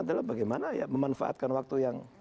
adalah bagaimana ya memanfaatkan waktu yang